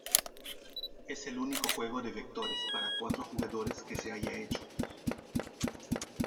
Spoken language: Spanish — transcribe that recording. Es el único juego de vectores para cuatro jugadores que se haya hecho.